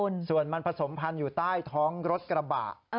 คุณส่วนมันผสมพันธุ์อยู่ใต้ท้องรถกระบะ